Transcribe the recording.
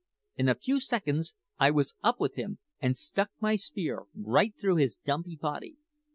In a few seconds I was up with him, and stuck my spear right through his dumpy body.